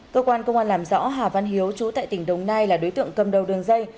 cơ quan công an làm rõ hà văn hiếu chú tại tỉnh đồng nai là đối tượng cầm đầu đường dây